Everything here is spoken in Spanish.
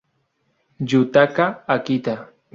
Yutaka Akita